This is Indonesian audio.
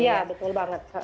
iya betul banget